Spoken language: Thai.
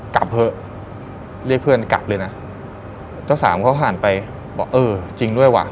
กลับเถอะเรียกเพื่อนกลับเลยนะเจ้าสามเขาผ่านไปบอกเออจริงด้วยว่ะ